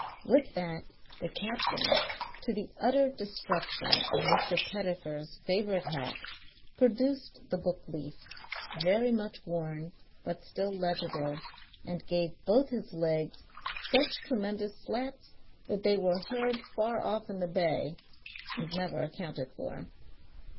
With that the captain, to the utter destruction of Mr. Pettifer's favourite hat, produced the book leaf, very much worn, but still legible, and gave both his legs such tremendous slaps that they were heard far off in the bay, and never accounted for.